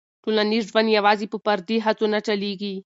ټولنیز ژوند یوازې په فردي هڅو نه چلېږي.